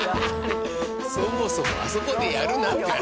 そもそもあそこでやるなって話。